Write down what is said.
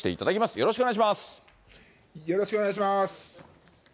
よろしくお願いします。